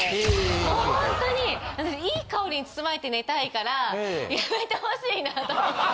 もうほんとに私いい香りに包まれて寝たいからやめてほしいなと思って。